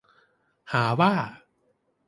หาว่า